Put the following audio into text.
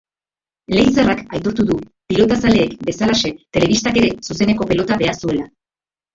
Leitzarrak aitortu du, pilotazaleek bezalaxe, telebistak ere zuzeneko pelota behar zuela.